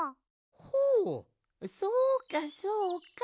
ほうそうかそうか。